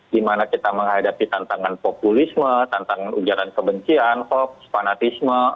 dimana kita menghadapi tantangan populisme tantangan ujaran kebencian hoax fanatisme